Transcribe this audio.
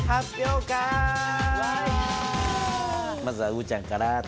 まずはうぶちゃんから。